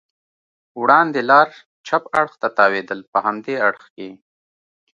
وړاندې لار چپ اړخ ته تاوېدل، په همدې اړخ کې.